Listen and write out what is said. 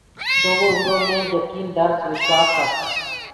تو وو اُرو مي جڪيٚن ڌرس وشواس ڪرس۔